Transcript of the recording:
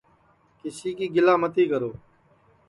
کِسی کی گِلا متی کرو